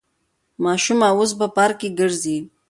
ماشومه اوس په پارک کې ګرځي.